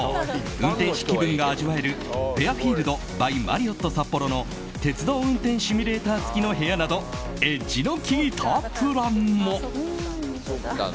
運転士気分が味わえるフェアフィールド・バイ・マリオット札幌の鉄道運転シミュレーター付きの部屋などエッジの効いたプランも。